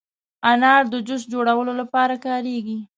انار د جوس جوړولو لپاره کارېږي.